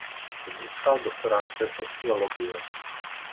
Získal doktorát ze sociologie.